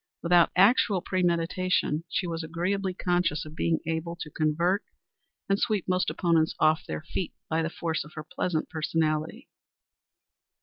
Without actual premeditation, she was agreeably conscious of being able to convert and sweep most opponents off their feet by the force of her pleasant personality.